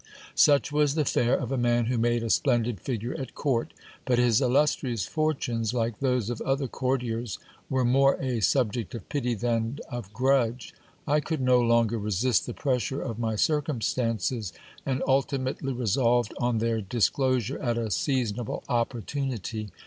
Such was the fare of a man who made a splendid figure at court ; but his illustrious fortunes, like those of other courtiers, were more a subject of pity than of grudge. I could no longer resist the pressure of my circumstances, and ulti mately resolved on their disclosure at a seasonable opportunity.